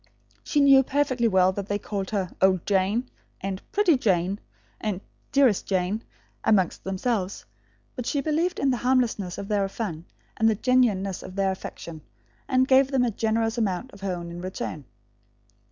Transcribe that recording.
She knew perfectly well that they called her "old Jane" and "pretty Jane" and "dearest Jane" amongst themselves, but she believed in the harmlessness of their fun and the genuineness of their affection, and gave them a generous amount of her own in return.